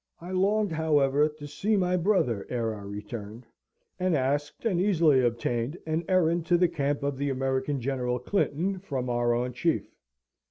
I longed, however, to see my brother ere I returned, and asked, and easily obtained an errand to the camp of the American General Clinton from our own chief.